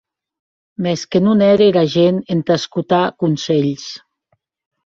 Mès que non ère era gent entà escotar conselhs!